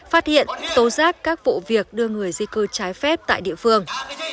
phát hiện tố giác các vụ việc đưa người di cư trái phép tại địa phương